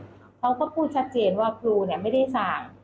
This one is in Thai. เขาก็พูดชัดเจนว่าครูไม่ได้สั่ง